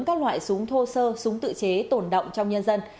các loại súng thô sơ súng tự chế tổn động trong nhân dân